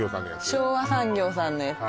昭和産業さんです